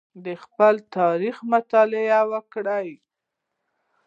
د خپل تاریخ مطالعه وکړئ.